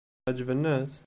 Ɛeǧben-as?